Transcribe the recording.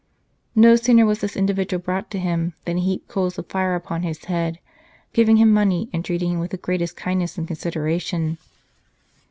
No sooner was this individual brought to him, than he heaped coals of fire upon his head, giving him money, and treating him with the greatest kindness and consideration.